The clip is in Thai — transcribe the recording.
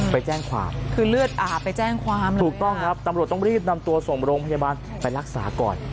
ไปแจ้งความคือเลือดอาบไปแจ้งความเลยถูกต้องครับตำรวจต้องรีบนำตัวส่งโรงพยาบาลไปรักษาก่อน